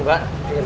gak apa apa mbak